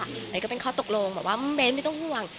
เหน่าก็เป็นข้อตกลงว่าเบนไม่ต้องห่วง